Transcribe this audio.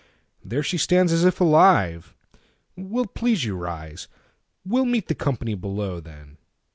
There she standsAs if alive. Will't please you rise? We'll meetThe company below, then.